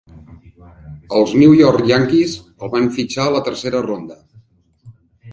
Els New York Yankees el van fitxar a la tercera ronda.